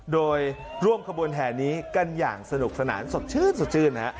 โดยร่วมขบวนแห่นี้กันอย่างสนุกสนานสดชื่นสดชื่นนะฮะ